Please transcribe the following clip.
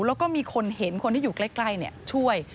แล้วก็มีคนเห็นคนที่อยู่ใกล้ช่วย